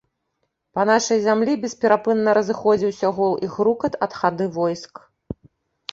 Па нашай зямлі бесперапынна разыходзіўся гул і грукат ад хады войск.